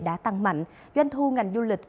đã tăng mạnh doanh thu ngành du lịch